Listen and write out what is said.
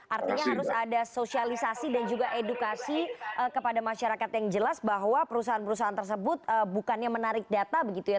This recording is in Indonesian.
artinya harus ada sosialisasi dan juga edukasi kepada masyarakat yang jelas bahwa perusahaan perusahaan tersebut bukannya menarik data begitu ya